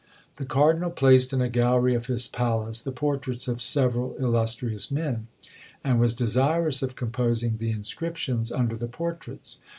The cardinal placed in a gallery of his palace the portraits of several illustrious men, and was desirous of composing the inscriptions under the portraits.